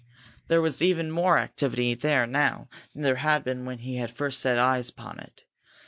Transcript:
There was even more activity there now than there had been when he had first set eyes upon it.